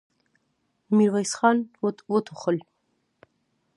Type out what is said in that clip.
ميرويس خان وټوخل.